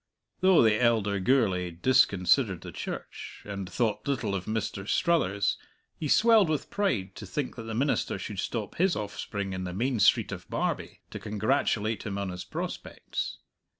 Though the elder Gourlay disconsidered the Church, and thought little of Mr. Struthers, he swelled with pride to think that the minister should stop his offspring in the Main Street of Barbie, to congratulate him on his prospects.